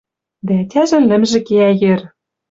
Дӓ ӓтяжӹн лӹмжӹ кеӓ йӹр.